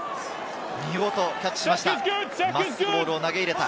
見事キャッチしました。